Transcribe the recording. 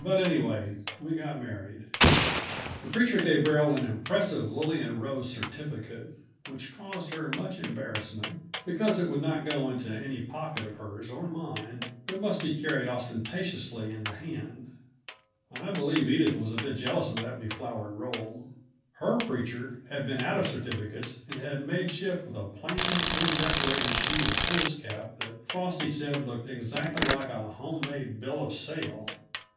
But, anyway, we got married. The preacher gave Beryl an impressive lily and rose certificate, which caused her much embarrassment, because it would not go into any pocket of hers or mine, but must be carried ostentatiously in the hand. I believe Edith was a bit jealous of that beflowered roll. Her preacher had been out of certificates, and had made shift with a plain, undecorated sheet of foolscap that Frosty said looked exactly like a home made bill of sale.